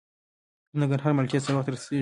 د ننګرهار مالټې څه وخت رسیږي؟